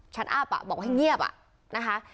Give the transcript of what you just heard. ชัดอับอ่ะบอกให้เงียบอ่ะนะคะ